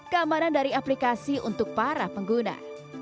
keamanan dari aplikasi untuk para pengguna